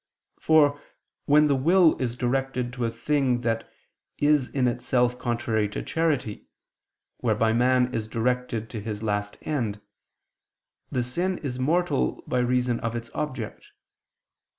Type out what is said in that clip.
For, when the will is directed to a thing that is in itself contrary to charity, whereby man is directed to his last end, the sin is mortal by reason of its object.